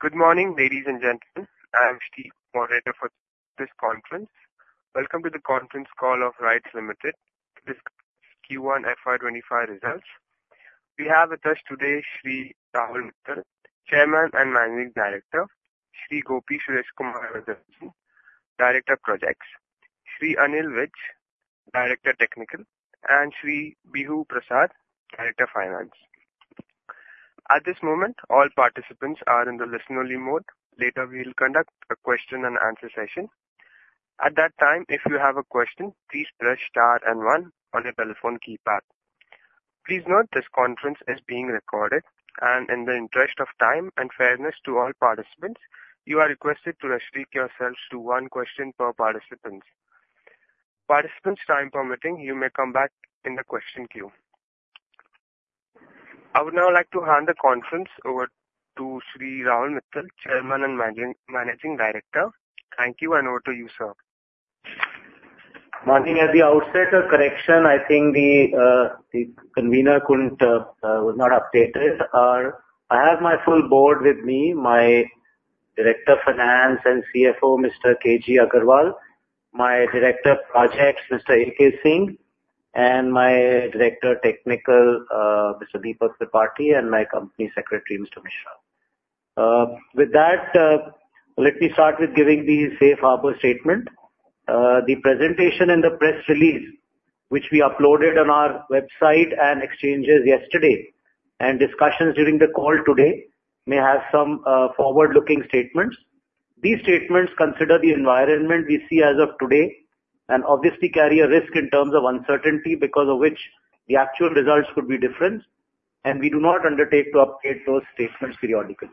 Good morning, ladies and gentlemen. I am the moderator for this conference. Welcome to the conference call of RITES Limited, discussing Q1 FY 2025 results. We have with us today Sri Rahul Mithal, Chairman and Managing Director; Sri Gopi Sureshkumar Varadarajan, Director of Projects; Sri Anil Vij, Director Technical; and Sri Bibhu Prasad Mahapatra, Director of Finance. At this moment, all participants are in the listen-only mode. Later, we will conduct a question-and-answer session. At that time, if you have a question, please press star and one on your telephone keypad. Please note this conference is being recorded, and in the interest of time and fairness to all participants, you are requested to restrict yourselves to one question per participant. Participants, time permitting, you may come back in the question queue. I would now like to hand the conference over to Sri Rahul Mithal, Chairman and Managing Director. Thank you, and over to you, sir. Moderator, at the outset, a correction. I think the convener was not updated. I have my full board with me: my Director of Finance and CFO, Mr. K. G. Agarwal; my Director of Projects, Mr. A. K. Singh; and my Director of Technical, Mr. D. Tripathi; and my Company Secretary, Mr. Mishra. With that, let me start with giving the safe harbor statement. The presentation and the press release, which we uploaded on our website and exchanges yesterday, and discussions during the call today, may have some forward-looking statements. These statements consider the environment we see as of today and obviously carry a risk in terms of uncertainty, because of which the actual results could be different. We do not undertake to update those statements periodically.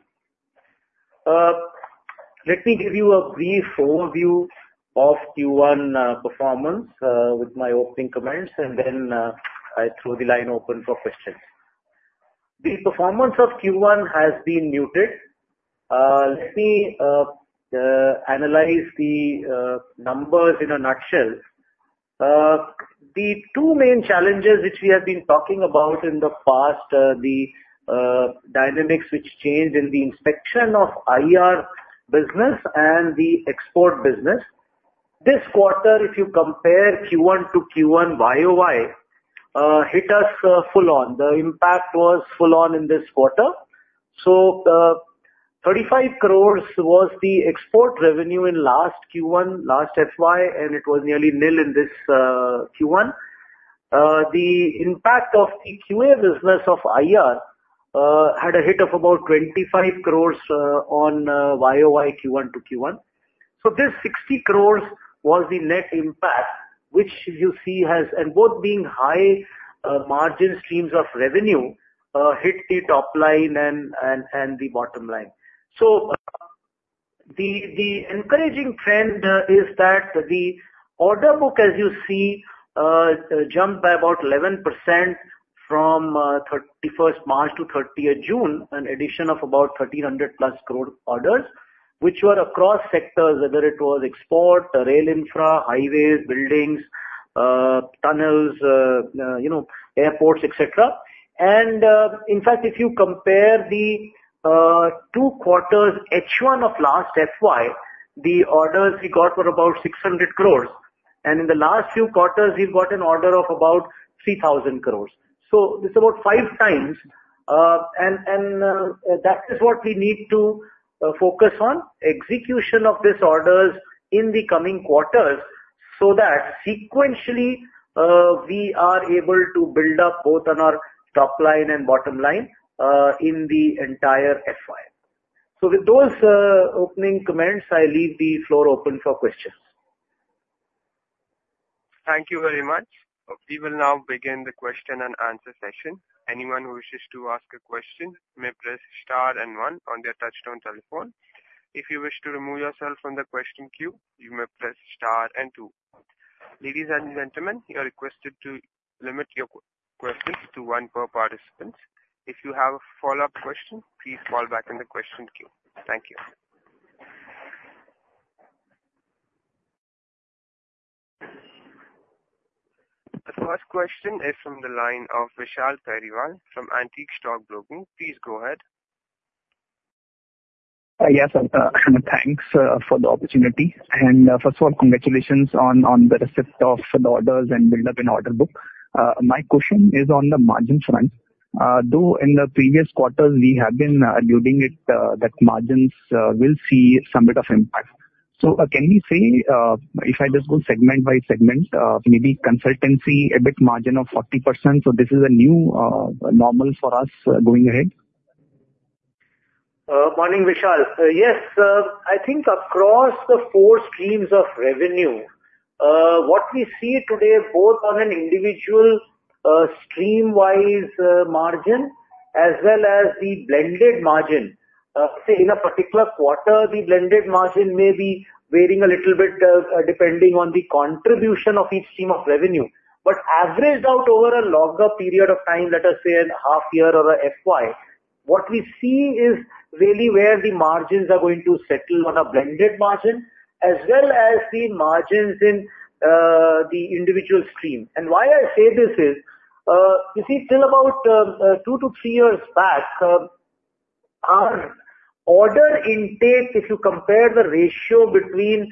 Let me give you a brief overview of Q1 performance with my opening comments, and then I throw the line open for questions. The performance of Q1 has been muted. Let me analyze the numbers in a nutshell. The two main challenges which we have been talking about in the past, the dynamics which changed in the inspection of IR business and the export business, this quarter, if you compare Q1 to Q1 YoY, hit us full on. The impact was full on in this quarter. So, 35 crore was the export revenue in last Q1, last FY, and it was nearly nil in this Q1. The impact of the QA business of IR had a hit of about 25 crore on YoY Q1 to Q1. So, this 60 crore was the net impact, which you see has, and both being high margin streams of revenue, hit the top line and the bottom line. So, the encouraging trend is that the order book, as you see, jumped by about 11% from 31st March to 30th June, an addition of about 1,300+ crore orders, which were across sectors, whether it was export, rail infra, highways, buildings, tunnels, airports, etc. And in fact, if you compare the two quarters, H1 of last FY, the orders we got were about 600 crore. And in the last few quarters, we've got an order of about 3,000 crore. So, it's about five times. And that is what we need to focus on: execution of these orders in the coming quarters so that sequentially we are able to build up both on our top line and bottom line in the entire FY. So, with those opening comments, I leave the floor open for questions. Thank you very much. We will now begin the question-and-answer session. Anyone who wishes to ask a question may press star and one on their touch-tone telephone. If you wish to remove yourself from the question queue, you may press star and two. Ladies and gentlemen, you are requested to limit your questions to one per participant. If you have a follow-up question, please call back in the question queue. Thank you. The first question is from the line of Vishal Periwal from IDBI Capital. Please go ahead. Yes, and thanks for the opportunity. And first of all, congratulations on the receipt of the orders and build-up in order book. My question is on the margin front. Though in the previous quarters, we have been alluding to that margins will see some bit of impact. So, can we say, if I just go segment by segment, maybe consultancy a bit margin of 40%? So, this is a new normal for us going ahead. Morning, Vishal. Yes, I think across the four streams of revenue, what we see today, both on an individual stream-wise margin as well as the blended margin, say in a particular quarter, the blended margin may be varying a little bit depending on the contribution of each stream of revenue. But averaged out over a longer period of time, let us say a half year or an FY, what we see is really where the margins are going to settle on a blended margin as well as the margins in the individual stream. And why I say this is, you see, till about 2 to 3 years back, our order intake, if you compare the ratio between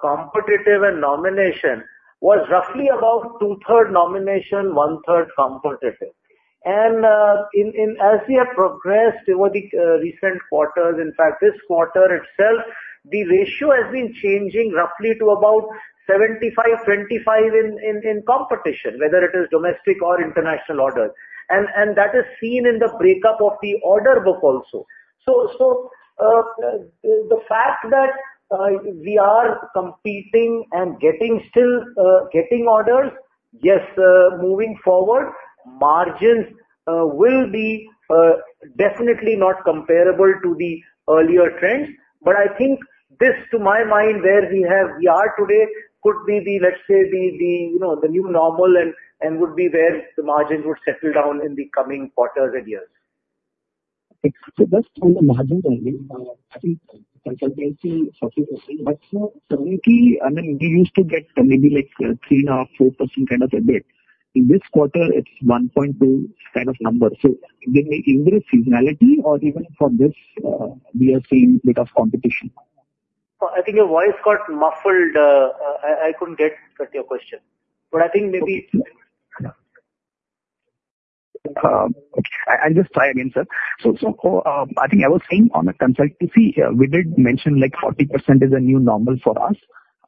competitive and nomination, was roughly about 2/3 nomination, 1/3 competitive. As we have progressed over the recent quarters, in fact, this quarter itself, the ratio has been changing roughly to about 75-25 in competition, whether it is domestic or international orders. That is seen in the breakup of the order book also. The fact that we are competing and still getting orders, yes, moving forward, margins will be definitely not comparable to the earlier trends. I think this, to my mind, where we are today could be, let's say, the new normal and would be where the margins would settle down in the coming quarters and years. Okay. So just on the margins only, I think consultancy for Q1, but for Q2, I mean, we used to get maybe like 3.5%-4% kind of a bit. In this quarter, it's 1.2% kind of number. So, did we increase seasonality or even for this we are seeing a bit of competition? I think your voice got muffled. I couldn't get your question. But I think maybe. I'll just try again, sir. So, I think I was saying on the consultancy, we did mention like 40% is a new normal for us.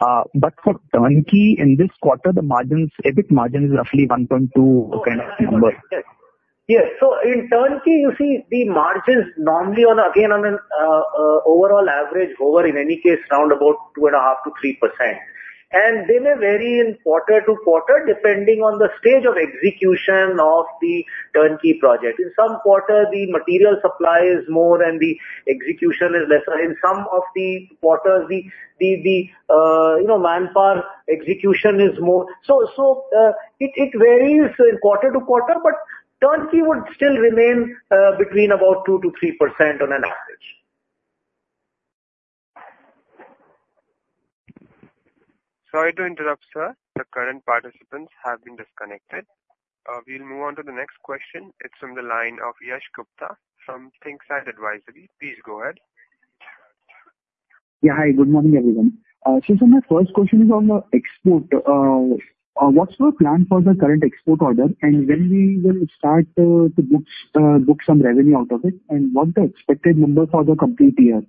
But for turnkey, in this quarter, the margins, a bit margin is roughly 1.2% kind of number. Yes. So, in turnkey, you see the margins normally on, again, on an overall average over, in any case, around about 2.5%-3%. And they may vary in quarter-to-quarter depending on the stage of execution of the turnkey project. In some quarter, the material supply is more and the execution is lesser. In some of the quarters, the manpower execution is more. So, it varies quarter-to-quarter, but turnkey would still remain between about 2%-3% on an average. Sorry to interrupt, sir. The current participants have been disconnected. We'll move on to the next question. It's from the line of Yash Gupta from NovaaOne Capital. Please go ahead. Yeah, hi. Good morning, everyone. Sir, so my first question is on the export. What's your plan for the current export order, and when will it start to book some revenue out of it, and what's the expected number for the complete year?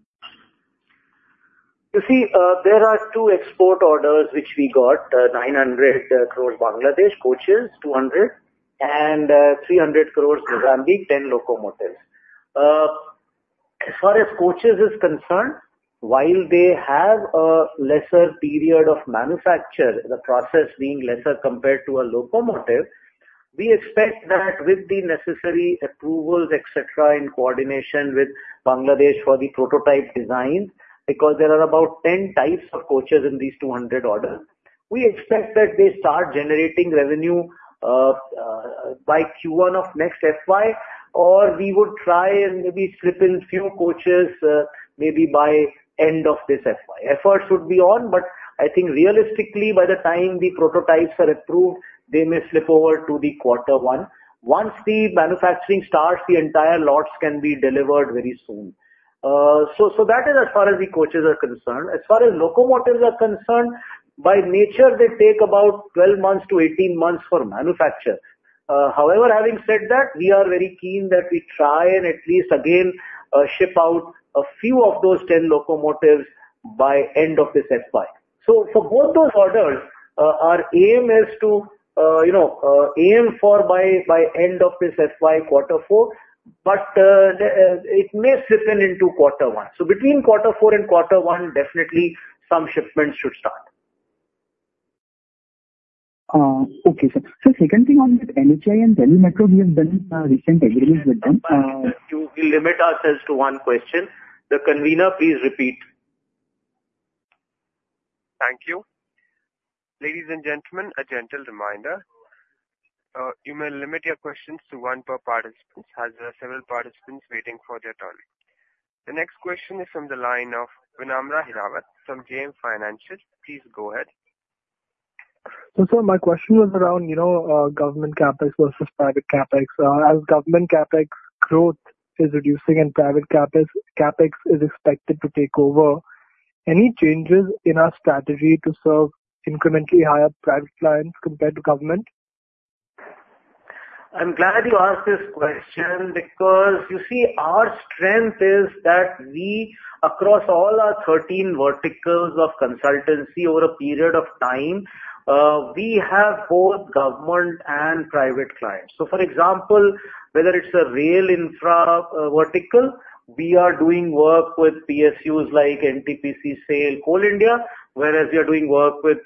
You see, there are two export orders which we got: 900 crore Bangladesh coaches, 200, and 300 crore Mozambique, 10 locomotives. As far as coaches are concerned, while they have a lesser period of manufacture, the process being lesser compared to a locomotive, we expect that with the necessary approvals, etc., in coordination with Bangladesh for the prototype design, because there are about 10 types of coaches in these 200 orders, we expect that they start generating revenue by Q1 of next FY, or we would try and maybe slip in a few coaches maybe by the end of this FY. Efforts would be on, but I think realistically, by the time the prototypes are approved, they may slip over to the quarter one. Once the manufacturing starts, the entire lots can be delivered very soon. So, that is as far as the coaches are concerned. As far as locomotives are concerned, by nature, they take about 12 months to 18 months for manufacture. However, having said that, we are very keen that we try and at least, again, ship out a few of those 10 locomotives by the end of this FY. So, for both those orders, our aim is to aim for by the end of this FY, Q4, but it may slip into Q1. So, between Q4 and Q1, definitely some shipments should start. Okay, sir. So, second thing on the NHAI and DMRC, we have done recent agreements with them. We'll limit ourselves to one question. The convener, please repeat. Thank you. Ladies and gentlemen, a gentle reminder, you may limit your questions to one per participant as there are several participants waiting for their turn. The next question is from the line of Vinamra Hirawat from JM Financial. Please go ahead. Sir, my question was around government CapEx versus private CapEx. As government CapEx growth is reducing and private CapEx is expected to take over, any changes in our strategy to serve incrementally higher private clients compared to government? I'm glad you asked this question because, you see, our strength is that we, across all our 13 verticals of consultancy over a period of time, we have both government and private clients. So, for example, whether it's a rail infra vertical, we are doing work with PSUs like NTPC, SAIL, Coal India, whereas we are doing work with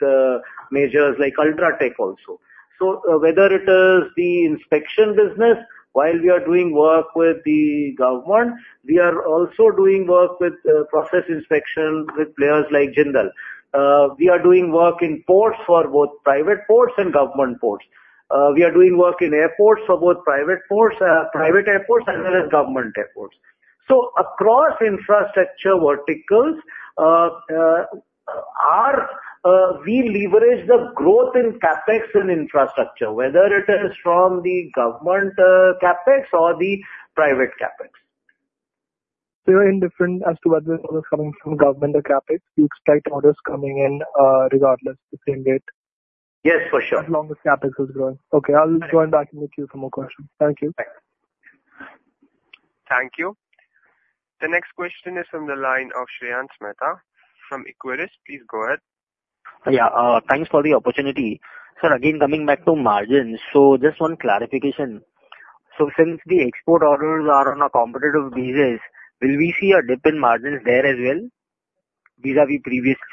majors like UltraTech also. So, whether it is the inspection business, while we are doing work with the government, we are also doing work with process inspection with players like Jindal. We are doing work in ports for both private ports and government ports. We are doing work in airports for both private airports as well as government airports. So, across infrastructure verticals, we leverage the growth in CapEx and infrastructure, whether it is from the government CapEx or the private CapEx. So, you're indifferent as to whether orders coming from government or CapEx? You expect orders coming in regardless, the same rate? Yes, for sure. As long as CapEx is growing. Okay, I'll join back in the queue for more questions. Thank you. Thanks. Thank you. The next question is from the line of Shreyans Mehta from Equirus. Please go ahead. Yeah, thanks for the opportunity. Sir, again, coming back to margins, so just one clarification. So, since the export orders are on a competitive basis, will we see a dip in margins there as well vis-à-vis previous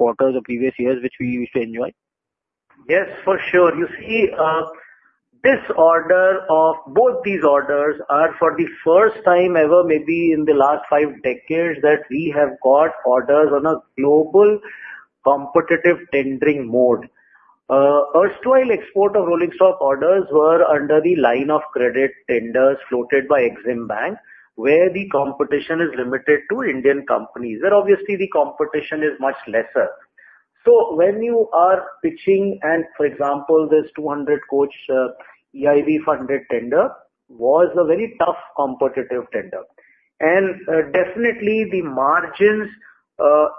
quarters or previous years which we used to enjoy? Yes, for sure. You see, this order of both these orders are for the first time ever, maybe in the last five decades, that we have got orders on a global competitive tendering mode. First, while export of rolling stock orders were under the line of credit tenders floated by Exim Bank, where the competition is limited to Indian companies, where obviously the competition is much lesser. So, when you are pitching, and for example, this 200 coach EIB funded tender was a very tough competitive tender. And definitely, the margins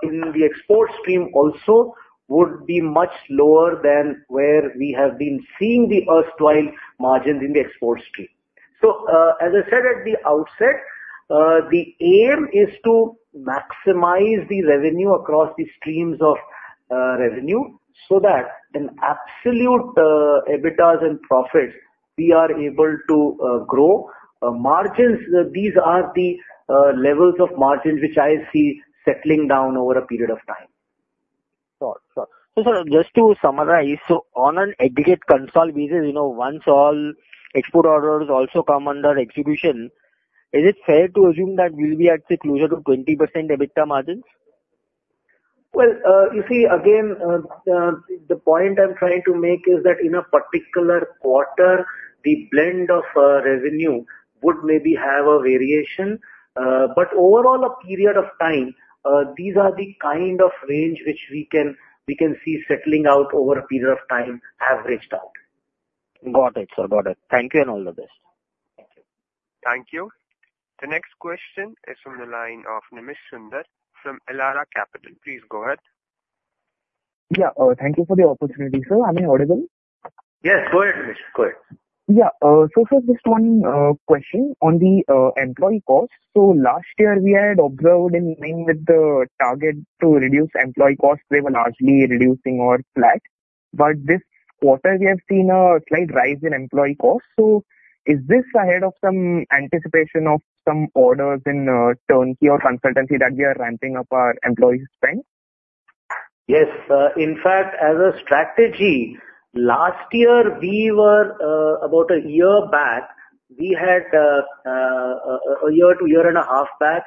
in the export stream also would be much lower than where we have been seeing the erstwhile margins in the export stream. So, as I said at the outset, the aim is to maximize the revenue across the streams of revenue so that in absolute EBITDAs and profits, we are able to grow. Margins, these are the levels of margins which I see settling down over a period of time. Sure. Sure. So, sir, just to summarize, so on an aggregate consultancy basis, once all export orders also come under execution, is it fair to assume that we'll be at the closer to 20% EBITDA margins? Well, you see, again, the point I'm trying to make is that in a particular quarter, the blend of revenue would maybe have a variation. But overall, a period of time, these are the kind of range which we can see settling out over a period of time averaged out. Got it, sir. Got it. Thank you and all the best. Thank you. Thank you. The next question is from the line of Nimish Sundar from Elara Capital. Please go ahead. Yeah, thank you for the opportunity, sir. Am I audible? Yes, go ahead, Nimish. Go ahead. Yeah. So, sir, just one question on the employee cost. So, last year, we had observed in line with the target to reduce employee costs, they were largely reducing or flat. But this quarter, we have seen a slight rise in employee costs. So, is this ahead of some anticipation of some orders in turnkey or consultancy that we are ramping up our employee spend? Yes. In fact, as a strategy, last year, we were about a year back, we had a year to year and a half back,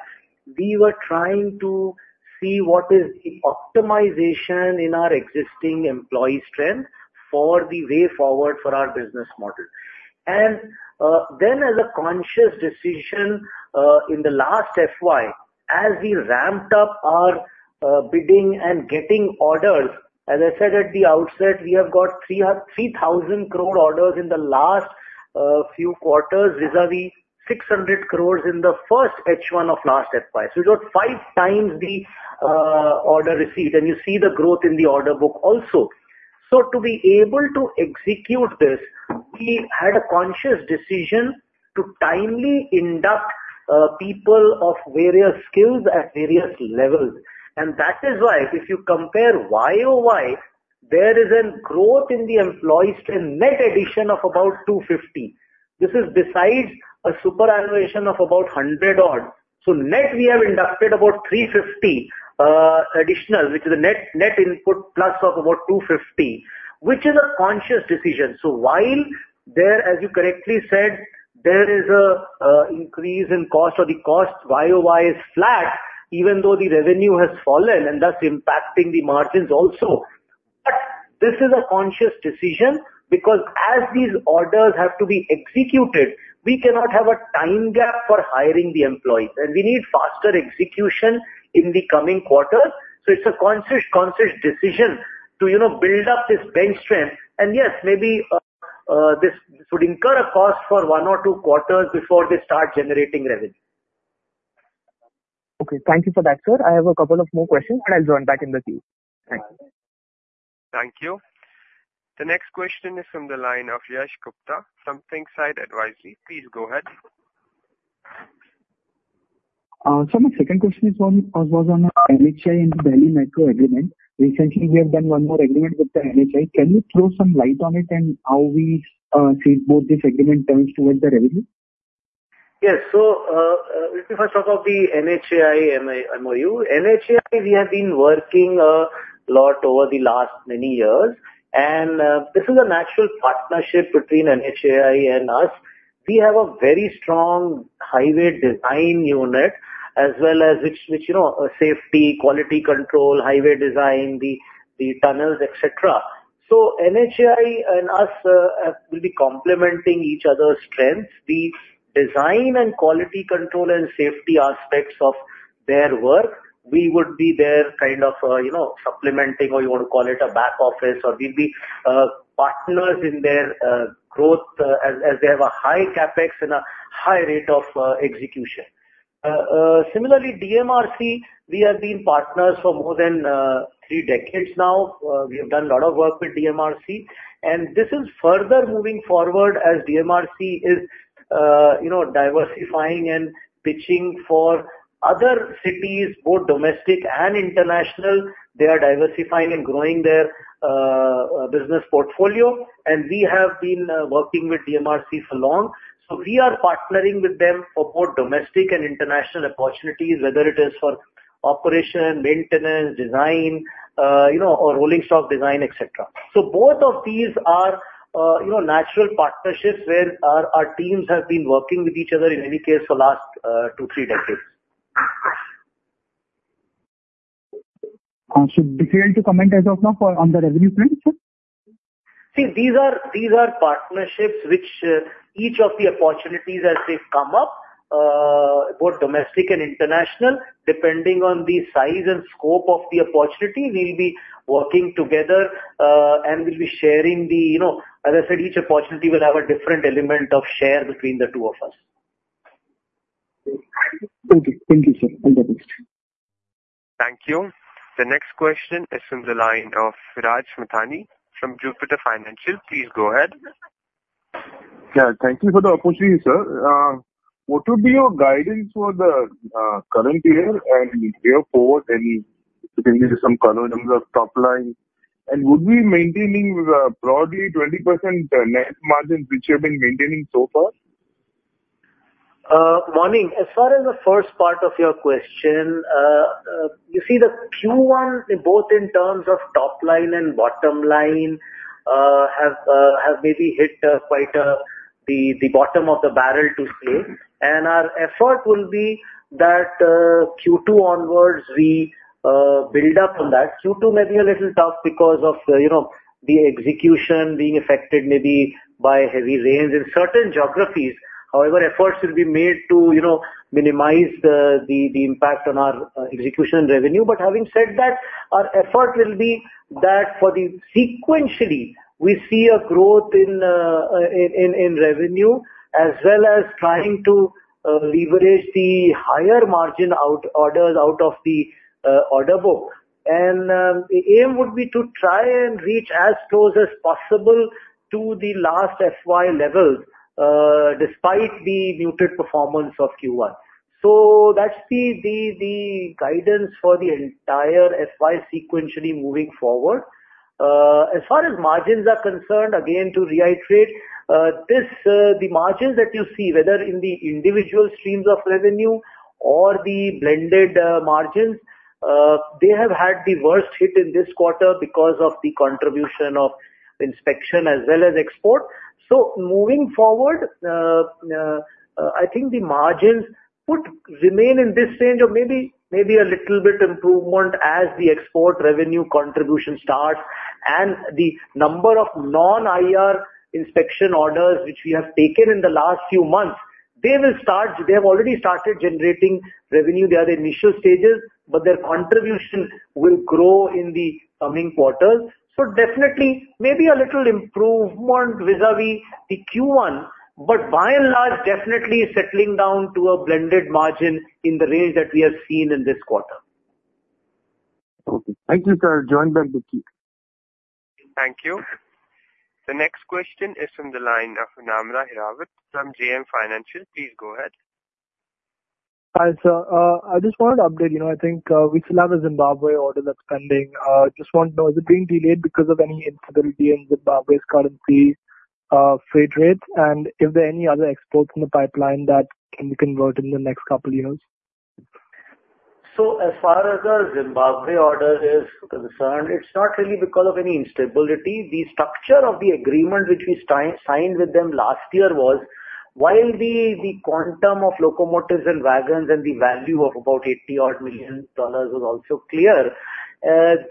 we were trying to see what is the optimization in our existing employee strength for the way forward for our business model. And then, as a conscious decision in the last FY, as we ramped up our bidding and getting orders, as I said at the outset, we have got 3,000 crore orders in the last few quarters vis-à-vis 600 crore in the first H1 of last FY. So, we got five times the order receipt, and you see the growth in the order book also. So, to be able to execute this, we had a conscious decision to timely induct people of various skills at various levels. That is why, if you compare YoY, there is a growth in the employee strength net addition of about 250. This is besides a superannuation of about 100 odd. So, net, we have inducted about 350 additional, which is a net input plus of about 250, which is a conscious decision. So, while there, as you correctly said, there is an increase in cost, or the cost YoY is flat, even though the revenue has fallen and thus impacting the margins also. But this is a conscious decision because as these orders have to be executed, we cannot have a time gap for hiring the employees. And we need faster execution in the coming quarters. So, it's a conscious decision to build up this bench strength. And yes, maybe this would incur a cost for one or two quarters before they start generating revenue. Okay. Thank you for that, sir. I have a couple of more questions, but I'll join back in the queue. Thanks. Thank you. The next question is from the line of Yash Gupta from NovaaOne Capital. Please go ahead. Sir, my second question was on NHAI and the Delhi Metro agreement. Recently, we have done one more agreement with the NHAI. Can you throw some light on it and how we see both these agreement terms towards the revenue? Yes. So, if we first talk of the NHAI MOU, NHAI, we have been working a lot over the last many years. And this is an actual partnership between NHAI and us. We have a very strong highway design unit, as well as safety, quality control, highway design, the tunnels, etc. So, NHAI and us will be complementing each other's strengths. The design and quality control and safety aspects of their work, we would be their kind of supplementing, or you want to call it a back office, or we'd be partners in their growth as they have a high CapEx and a high rate of execution. Similarly, DMRC, we have been partners for more than three decades now. We have done a lot of work with DMRC. And this is further moving forward as DMRC is diversifying and pitching for other cities, both domestic and international. They are diversifying and growing their business portfolio. And we have been working with DMRC for long. So, we are partnering with them for both domestic and international opportunities, whether it is for operation, maintenance, design, or rolling stock design, etc. So, both of these are natural partnerships where our teams have been working with each other, in any case, for the last two, three decades. Sir, did you get to comment as of now on the revenue strength, sir? See, these are partnerships which each of the opportunities, as they come up, both domestic and international, depending on the size and scope of the opportunity, we'll be working together and we'll be sharing the, as I said, each opportunity will have a different element of share between the two of us. Thank you. Thank you, sir. All the best. Thank you. The next question is from the line of Viraj Mithani from Jupiter Asset Management. Please go ahead. Yeah, thank you for the opportunity, sir. What would be your guidance for the current year and year forward, and giving you some columns of top line? Would we be maintaining broadly 20% net margins, which you have been maintaining so far? Well, as far as the first part of your question, you see the Q1, both in terms of top line and bottom line, have maybe hit quite the bottom of the barrel to say. Our effort will be that Q2 onwards, we build up on that. Q2 may be a little tough because of the execution being affected maybe by heavy rains in certain geographies. However, efforts will be made to minimize the impact on our execution revenue. But having said that, our effort will be that for the sequentially, we see a growth in revenue as well as trying to leverage the higher margin orders out of the order book. And the aim would be to try and reach as close as possible to the last FY levels despite the muted performance of Q1. So, that's the guidance for the entire FY sequentially moving forward. As far as margins are concerned, again, to reiterate, the margins that you see, whether in the individual streams of revenue or the blended margins, they have had the worst hit in this quarter because of the contribution of inspection as well as export. So, moving forward, I think the margins would remain in this range of maybe a little bit improvement as the export revenue contribution starts. And the number of non-IR inspection orders which we have taken in the last few months, they will start, they have already started generating revenue. They are the initial stages, but their contribution will grow in the coming quarters. So, definitely, maybe a little improvement vis-à-vis the Q1, but by and large, definitely settling down to a blended margin in the range that we have seen in this quarter. Okay. Thank you, sir. Joined back in the queue. Thank you. The next question is from the line of Vinamra Hirawat from JM Financial. Please go ahead. Hi, sir. I just wanted to update. I think we still have a Zimbabwe order that's pending. I just want to know, is it being delayed because of any instability in Zimbabwe's currency free trade? And is there any other exports in the pipeline that can be converted in the next couple of years? As far as our Zimbabwe order is concerned, it's not really because of any instability. The structure of the agreement which we signed with them last year was, while the quantum of locomotives and wagons and the value of about $80 million was also clear,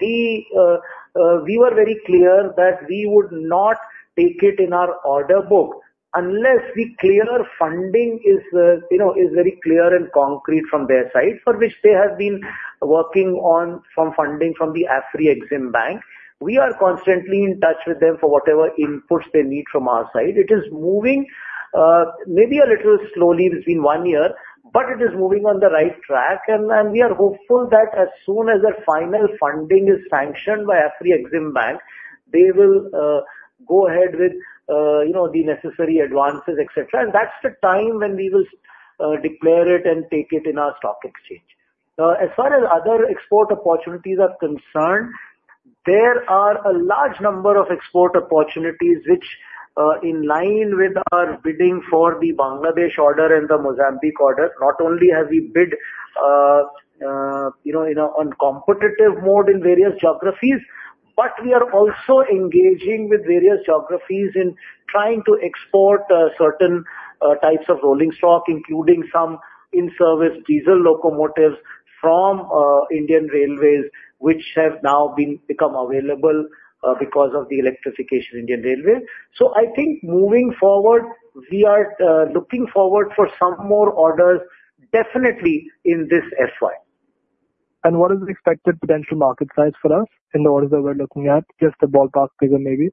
we were very clear that we would not take it in our order book unless the clear funding is very clear and concrete from their side, for which they have been working on some funding from the Afreximbank. We are constantly in touch with them for whatever inputs they need from our side. It is moving maybe a little slowly between one year, but it is moving on the right track. We are hopeful that as soon as their final funding is sanctioned by Afreximbank, they will go ahead with the necessary advances, etc. That's the time when we will declare it and take it in our stock exchange. As far as other export opportunities are concerned, there are a large number of export opportunities which, in line with our bidding for the Bangladesh order and the Mozambique order, not only have we bid in a competitive mode in various geographies, but we are also engaging with various geographies in trying to export certain types of rolling stock, including some in-service diesel locomotives from Indian Railways, which have now become available because of the electrification of Indian Railways. I think moving forward, we are looking forward for some more orders, definitely in this FY. What is the expected potential market size for us in the orders that we're looking at? Just a ballpark figure maybe.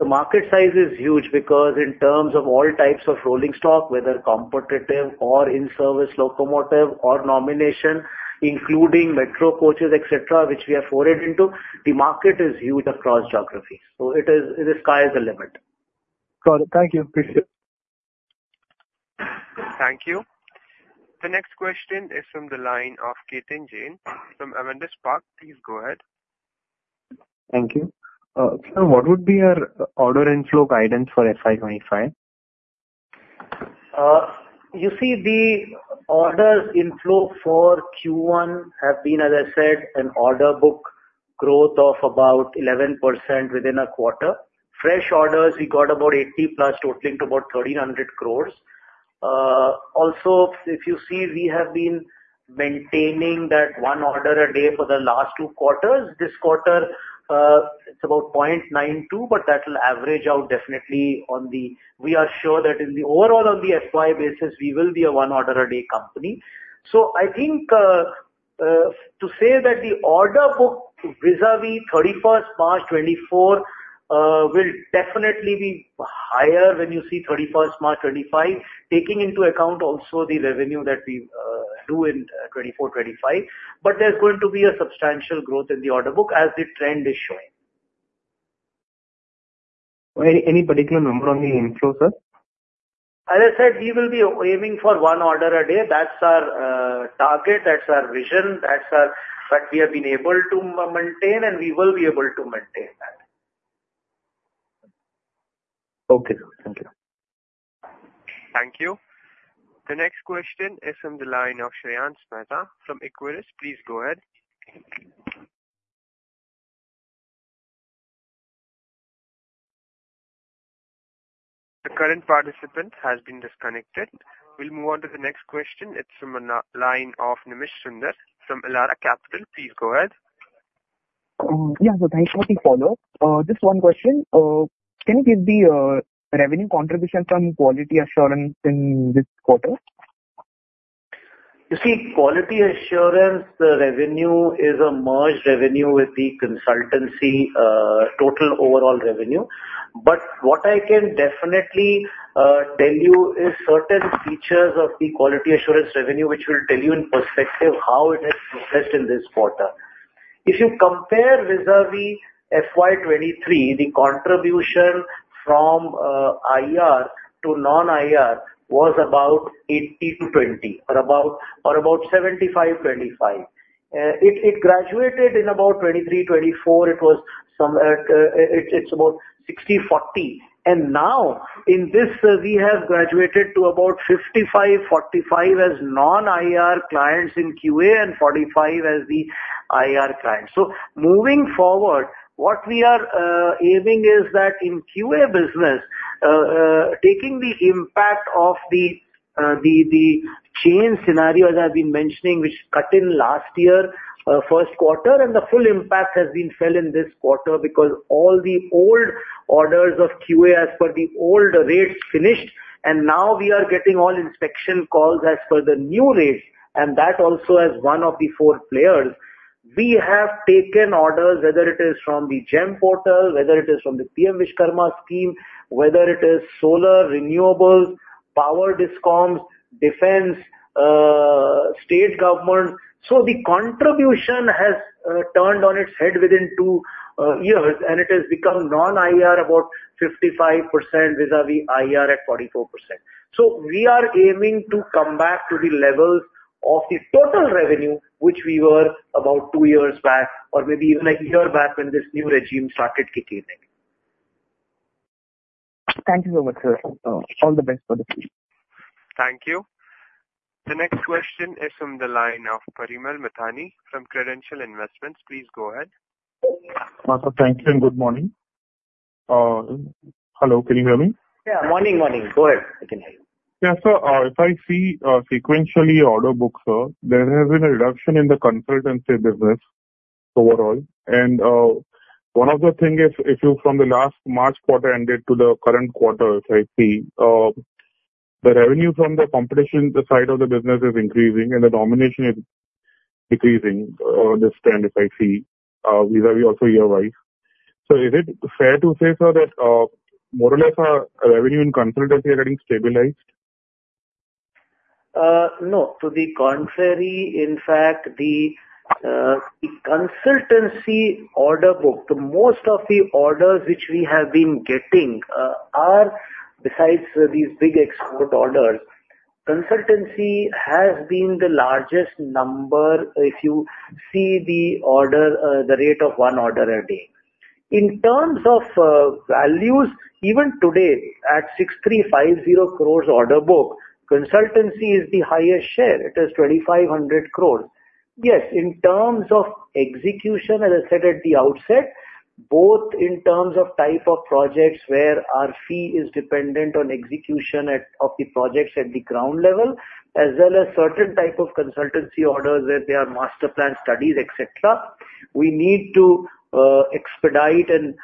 The market size is huge because in terms of all types of rolling stock, whether competitive or in-service locomotive or nomination, including metro coaches, etc., which we have forayed into, the market is huge across geographies. So, the sky is the limit. Got it. Thank you. Appreciate it. Thank you. The next question is from the line of Ketan Jain from Avendus Spark. Please go ahead. Thank you. Sir, what would be your order inflow guidance for FY 2025? You see, the order inflow for Q1 have been, as I said, an order book growth of about 11% within a quarter. Fresh orders, we got about 80+, totaling to about 1,300 crore. Also, if you see, we have been maintaining that one order a day for the last two quarters. This quarter, it's about 0.92, but that will average out definitely on the we are sure that in the overall, on the FY basis, we will be a one order a day company. So, I think to say that the order book vis-à-vis 31st March 2024 will definitely be higher when you see 31st March 2025, taking into account also the revenue that we do in 2024, 2025. But there's going to be a substantial growth in the order book as the trend is showing. Any particular number on the inflow, sir? As I said, we will be aiming for one order a day. That's our target. That's our vision. That's what we have been able to maintain, and we will be able to maintain that. Okay. Thank you. Thank you. The next question is from the line of Shreyans Mehta from Equirus Securities. Please go ahead. The current participant has been disconnected. We'll move on to the next question. It's from the line of Nimish Sundar from Elara Capital. Please go ahead. Yeah, sir, thank you for the follow-up. Just one question. Can you give the revenue contribution from quality assurance in this quarter? You see, quality assurance revenue is a merged revenue with the consultancy total overall revenue. But what I can definitely tell you is certain features of the quality assurance revenue, which will tell you in perspective how it has progressed in this quarter. If you compare vis-à-vis FY 2023, the contribution from IR to non-IR was about 80/20 or about 75/25. It graduated in about FY 2023, FY 2024. It's about 60/40. And now, in this, we have graduated to about 55/45 as non-IR clients in QA and 45 as the IR clients. So, moving forward, what we are aiming is that in QA business, taking the impact of the chain scenario as I've been mentioning, which cut in last year, first quarter, and the full impact has been felt in this quarter because all the old orders of QA as per the old rates finished. Now we are getting all inspection calls as per the new rates. That also has one of the four players. We have taken orders, whether it is from the GeM portal, whether it is from the PM Vishwakarma scheme, whether it is solar, renewables, power discoms, defense, state government. The contribution has turned on its head within two years, and it has become non-IR about 55% vis-à-vis IR at 44%. We are aiming to come back to the levels of the total revenue, which we were about two years back or maybe even a year back when this new regime started kicking in. Thank you so much, sir. All the best for the team. Thank you. The next question is from the line of Parimal Mithani from Credent Asset Management. Please go ahead. Thank you and good morning. Hello. Can you hear me? Yeah. Morning, morning. Go ahead. I can hear you. Yeah, sir, if I see sequentially order book, sir, there has been a reduction in the consultancy business overall. And one of the things is, if you from the last March quarter ended to the current quarter, if I see, the revenue from the competitive side of the business is increasing and the nomination is decreasing this trend, if I see, vis-à-vis also year-wise. So, is it fair to say, sir, that more or less our revenue in consultancy is getting stabilized? No. To the contrary, in fact, the consultancy order book, most of the orders which we have been getting are, besides these big export orders, consultancy has been the largest number if you see the order, the rate of one order a day. In terms of values, even today at 6,350 crores order book, consultancy is the highest share. It is 2,500 crores. Yes, in terms of execution, as I said at the outset, both in terms of type of projects where our fee is dependent on execution of the projects at the ground level, as well as certain type of consultancy orders where they are master plan studies, etc., we need to expedite and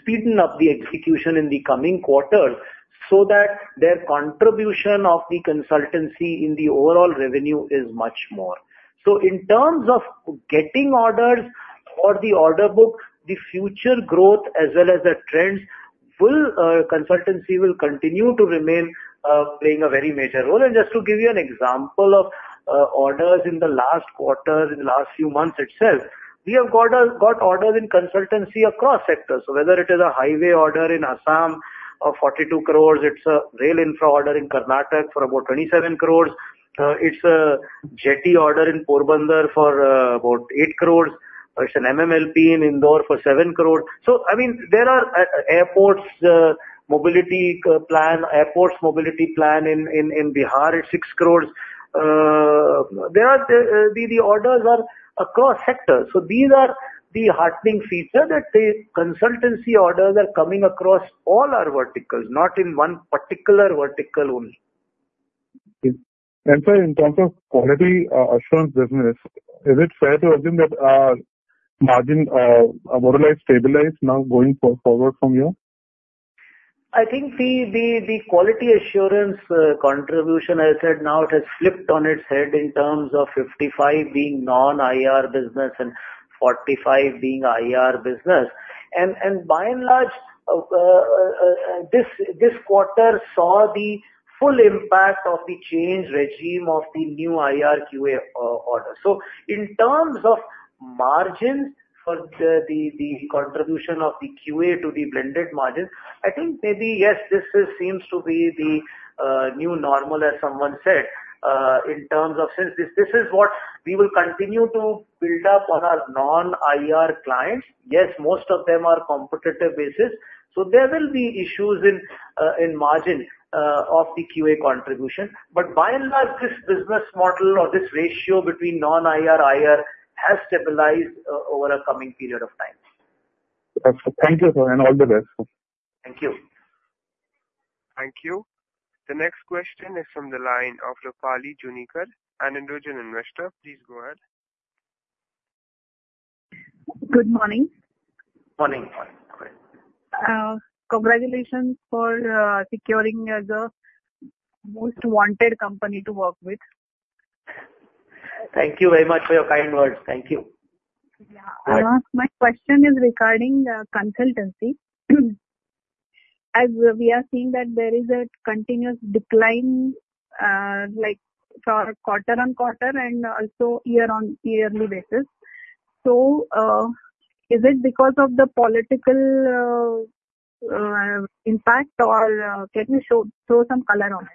speed up the execution in the coming quarters so that their contribution of the consultancy in the overall revenue is much more. So, in terms of getting orders for the order book, the future growth as well as the trends will consultancy will continue to remain playing a very major role. And just to give you an example of orders in the last quarter, in the last few months itself, we have got orders in consultancy across sectors. So, whether it is a highway order in Assam of 42 crores, it's a rail infra order in Karnataka for about 27 crores. It's a jetty order in Porbandar for about 8 crores. It's an MMLP in Indore for 7 crores. So, I mean, there are airports mobility plan in Bihar at 6 crores. The orders are across sectors. So, these are the heartening feature that the consultancy orders are coming across all our verticals, not in one particular vertical only. Sir, in terms of quality assurance business, is it fair to assume that our margin more or less stabilized now going forward from here? I think the quality assurance contribution, as I said, now it has flipped on its head in terms of 55% being non-IR business and 45% being IR business. And by and large, this quarter saw the full impact of the change regime of the new IR QA order. So, in terms of margins for the contribution of the QA to the blended margins, I think maybe, yes, this seems to be the new normal, as someone said, in terms of since this is what we will continue to build up on our non-IR clients. Yes, most of them are competitive basis. So, there will be issues in margin of the QA contribution. But by and large, this business model or this ratio between non-IR, IR has stabilized over a coming period of time. Thank you, sir. And all the best. Thank you. Thank you. The next question is from the line of Rupali Junikar, an Individual investor. Please go ahead. Good morning. Morning. Congratulations for securing the most wanted company to work with. Thank you very much for your kind words. Thank you. Yeah. My question is regarding consultancy. As we are seeing that there is a continuous decline for quarter-on-quarter and also year-on-year basis. So, is it because of the political impact or can you throw some color on it?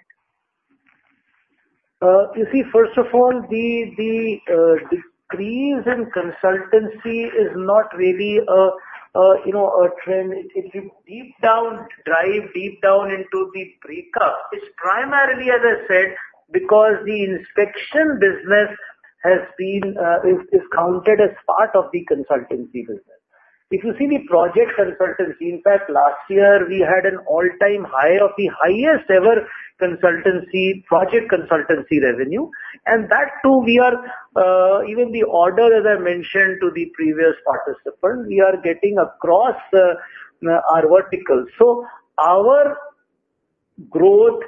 You see, first of all, the decrease in consultancy is not really a trend. If you dive deep down into the break-up, it's primarily, as I said, because the inspection business has been counted as part of the consultancy business. If you see the project consultancy, in fact, last year, we had an all-time high of the highest-ever project consultancy revenue. And that too, we are even getting the orders, as I mentioned to the previous participant, we are getting across our verticals. So, our growth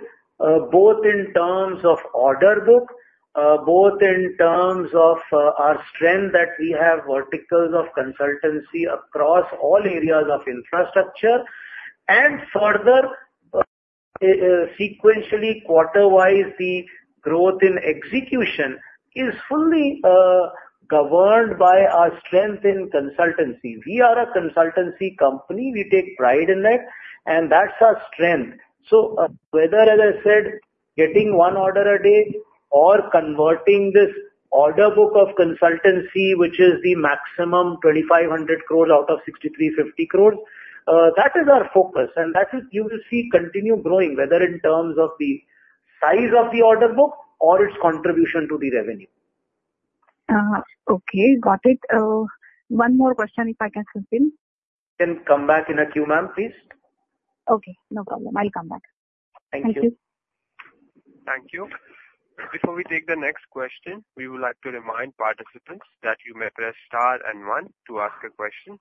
both in terms of order book, both in terms of our strength that we have verticals of consultancy across all areas of infrastructure. And further, sequentially quarter-wise, the growth in execution is fully governed by our strength in consultancy. We are a consultancy company. We take pride in that. And that's our strength. So, whether, as I said, getting one order a day or converting this order book of consultancy, which is the maximum 2,500 crores out of 6,350 crores, that is our focus. And that is, you will see continue growing, whether in terms of the size of the order book or its contribution to the revenue. Okay. Got it. One more question, if I can slip in? Can come back in a few, ma'am, please? Okay. No problem. I'll come back. Thank you. Thank you. Thank you. Before we take the next question, we would like to remind participants that you may press star and one to ask a question.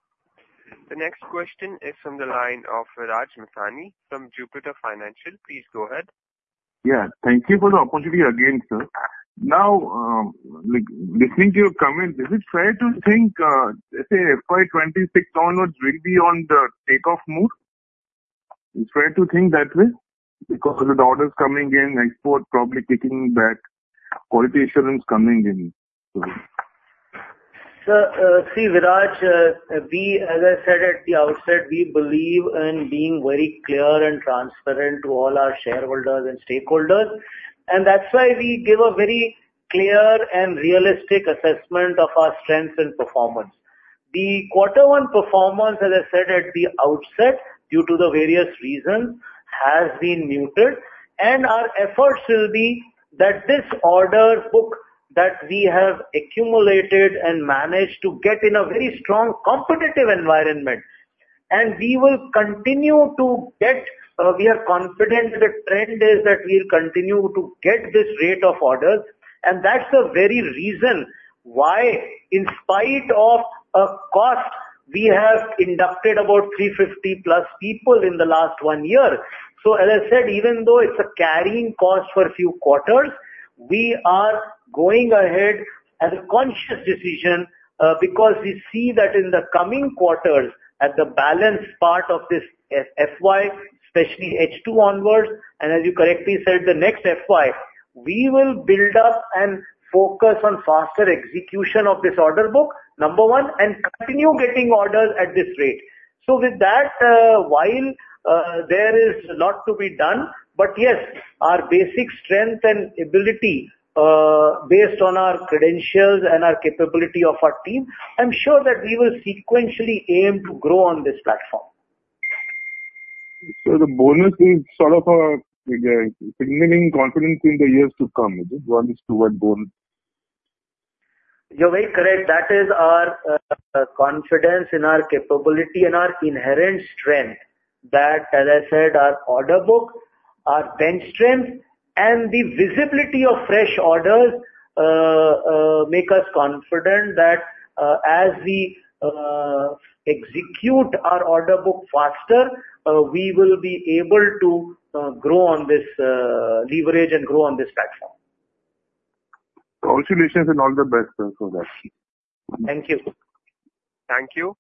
The next question is from the line of Viraj Mithani from Jupiter Financial. Please go ahead. Yeah. Thank you for the opportunity again, sir. Now, listening to your comments, is it fair to think, let's say, FY 2026 onwards, we'll be on the takeoff mood? Is it fair to think that way? Because with orders coming in, export probably kicking back, quality assurance coming in. Sir, see, Viraj, we, as I said at the outset, we believe in being very clear and transparent to all our shareholders and stakeholders. And that's why we give a very clear and realistic assessment of our strengths and performance. The quarter-one performance, as I said at the outset, due to the various reasons, has been muted. And our efforts will be that this order book that we have accumulated and managed to get in a very strong competitive environment. And we will continue to get. We are confident the trend is that we will continue to get this rate of orders. And that's the very reason why, in spite of a cost, we have inducted about 350+ people in the last one year. So, as I said, even though it's a carrying cost for a few quarters, we are going ahead as a conscious decision because we see that in the coming quarters, at the balance part of this FY, especially H2 onwards, and as you correctly said, the next FY, we will build up and focus on faster execution of this order book, number one, and continue getting orders at this rate. So, with that, while there is a lot to be done, but yes, our basic strength and ability based on our credentials and our capability of our team, I'm sure that we will sequentially aim to grow on this platform. So, the bonus is sort of a signaling confidence in the years to come, is it? One is to what bonus? You're very correct. That is our confidence in our capability and our inherent strength that, as I said, our order book, our bench strength, and the visibility of fresh orders make us confident that as we execute our order book faster, we will be able to grow on this leverage and grow on this platform. Congratulations and all the best, sir, for that. Thank you. Thank you.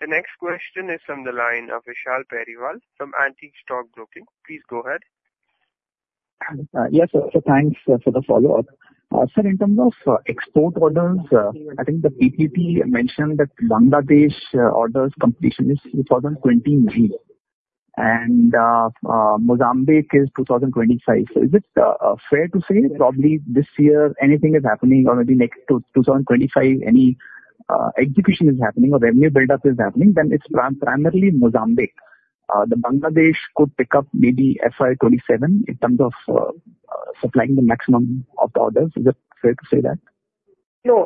The next question is from the line of Vishal Periwal from Antique Stock Broking. Please go ahead. Yes, sir. Thanks for the follow-up. Sir, in terms of export orders, I think the PPP mentioned that Bangladesh orders completion is 2029, and Mozambique is 2025. So, is it fair to say probably this year, anything is happening already next to 2025, any execution is happening or revenue buildup is happening, then it's primarily Mozambique. The Bangladesh could pick up maybe FY 2027 in terms of supplying the maximum of orders. Is it fair to say that? No.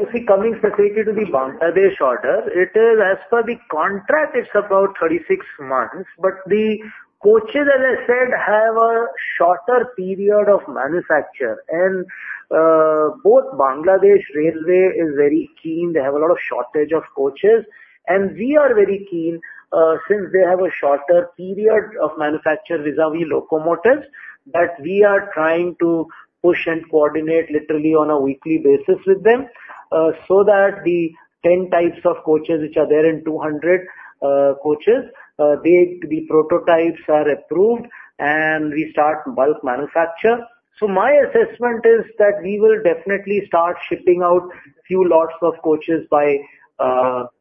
You see, coming specifically to the Bangladesh order, it is, as per the contract, it's about 36 months, but the coaches, as I said, have a shorter period of manufacture. And both Bangladesh Railway is very keen. They have a lot of shortage of coaches. And we are very keen, since they have a shorter period of manufacture vis-à-vis locomotives, that we are trying to push and coordinate literally on a weekly basis with them so that the 10 types of coaches, which are there in 200 coaches, the prototypes are approved and we start bulk manufacture. So, my assessment is that we will definitely start shipping out a few lots of coaches by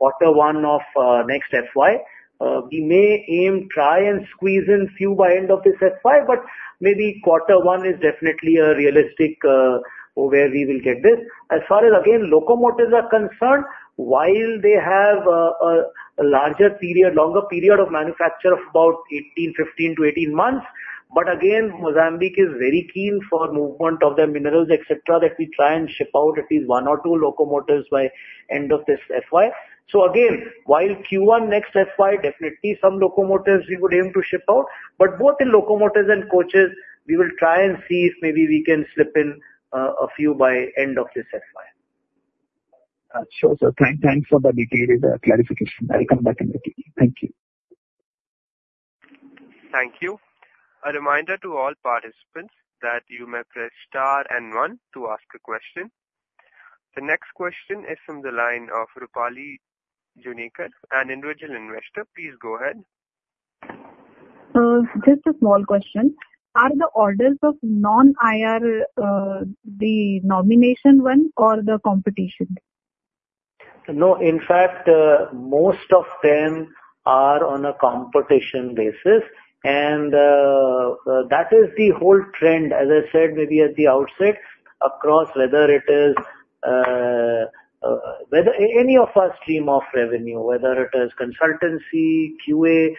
Q1 of next FY. We may aim to try and squeeze in a few by end of this FY, but maybe Q1 is definitely a realistic where we will get this. As far as, again, locomotives are concerned, while they have a larger period, longer period of manufacture of about 15-18 months, but again, Mozambique is very keen for movement of their minerals, etc., that we try and ship out at least one or two locomotives by end of this FY. So, again, while Q1 next FY, definitely some locomotives we would aim to ship out, but both in locomotives and coaches, we will try and see if maybe we can slip in a few by end of this FY. Sure, sir. Thanks for the detailed clarification. I'll come back in a few. Thank you. Thank you. A reminder to all participants that you may press star and one to ask a question. The next question is from the line of Rupali Junikar, an Indigenous investor. Please go ahead. Just a small question. Are the orders of non-IR the nomination one or the competition? No. In fact, most of them are on a competition basis. And that is the whole trend, as I said, maybe at the outset, across whether it is any of our stream of revenue, whether it is consultancy, QA,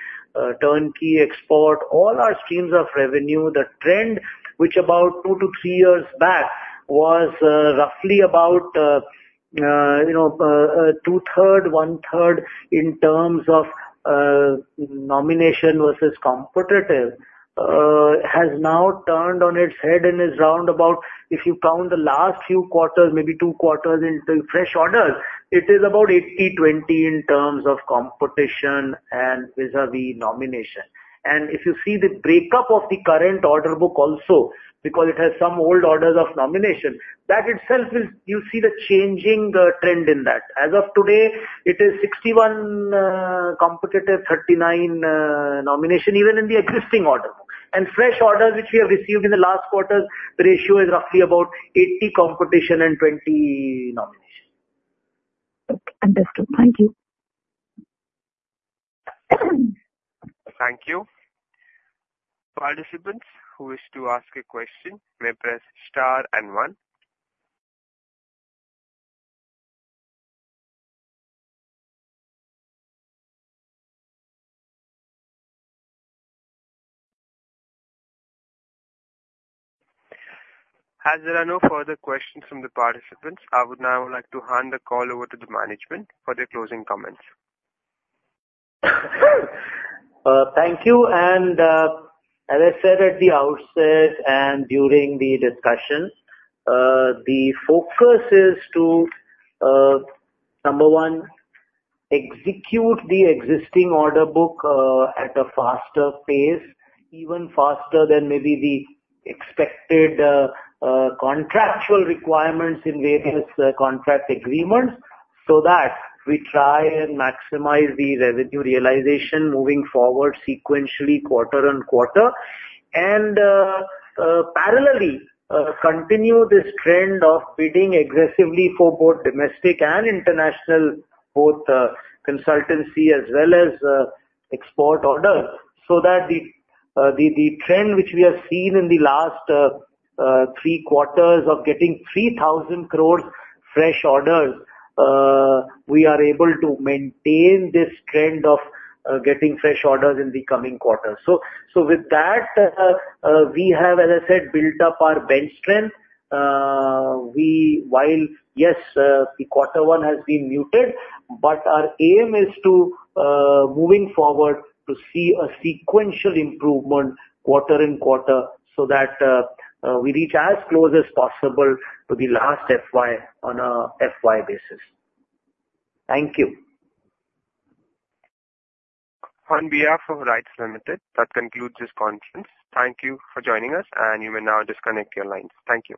turnkey, export, all our streams of revenue, the trend, which about 2 to 3 years back was roughly about two-thirds, one-third in terms of nomination versus competitive, has now turned on its head and is round about, if you count the last few quarters, maybe two quarters into fresh orders, it is about 80/20 in terms of competition and vis-à-vis nomination. And if you see the breakup of the current order book also, because it has some old orders of nomination, that itself is, you see the changing trend in that. As of today, it is 61 competitive, 39 nomination, even in the existing order book. Fresh orders, which we have received in the last quarters, the ratio is roughly about 80 competition and 20 nomination. Understood. Thank you. Thank you. Participants who wish to ask a question may press star and one. As there are no further questions from the participants, I would now like to hand the call over to the management for their closing comments. Thank you. As I said at the outset and during the discussion, the focus is to, number one, execute the existing order book at a faster pace, even faster than maybe the expected contractual requirements in various contract agreements, so that we try and maximize the revenue realization moving forward sequentially quarter on quarter. Parallelly, continue this trend of bidding aggressively for both domestic and international, both consultancy as well as export orders, so that the trend which we have seen in the last three quarters of getting 3,000 crore fresh orders, we are able to maintain this trend of getting fresh orders in the coming quarters. With that, we have, as I said, built up our bench strength. While yes, the quarter one has been muted, but our aim is to, moving forward, to see a sequential improvement quarter and quarter so that we reach as close as possible to the last FY on an FY basis. Thank you. On behalf of RITES Limited, that concludes this conference. Thank you for joining us, and you may now disconnect your lines. Thank you.